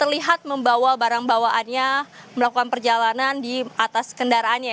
terlihat membawa barang bawaannya melakukan perjalanan di atas kendaraannya